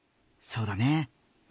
そうだね。